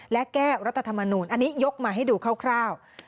และแก้รัฐธรรมนูลอันนี้ยกมาให้ดูคร่าว